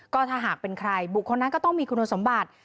ก็ถ้าหากเป็นใครบุคคลนั้นก็ต้องมีคุณสมบัติ